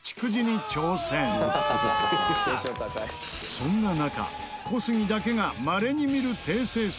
そんな中小杉だけがまれに見る低成績。